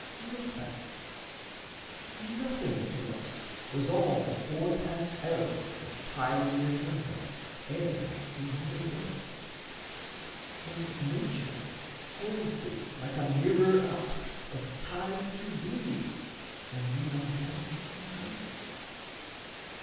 Look back: Nothing to us was all fore passed eld Of time the eternal, ere we had a birth. And Nature holds this like a mirror up Of time to be when we are dead and gone.